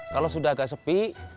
kalau sudah agak sepi